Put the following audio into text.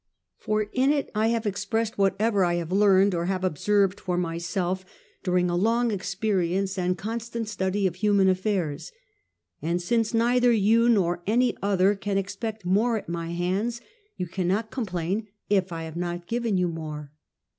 For in it I have expressed whatever I have learned, or have observed for myself during a long experience and constant study of human affairs. And since neither you nor any other can expect more at my hands, you cannot complain if I have not given you more.